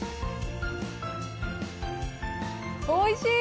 おいしい！